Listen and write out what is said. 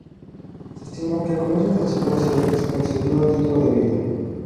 Se estima que a comienzos del siglo se le concedió el título de Villa.